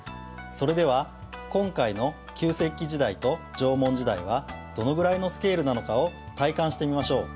それでは今回の旧石器時代と縄文時代はどのぐらいのスケールなのかを体感してみましょう。